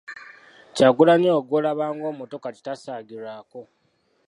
Kyagulanyi oyo gw’olaba ng’omuto kati tasaagirwako.